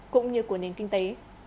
cũng như của nền kinh tế